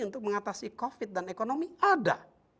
untuk mengatasi covid dan ekonomi ada